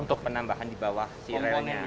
untuk penambahan dibawah si relnya